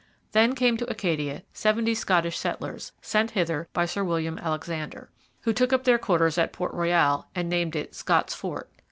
Then came to Acadia seventy Scottish settlers, sent hither by Sir William Alexander, who took up their quarters at Port Royal and named it Scots Fort.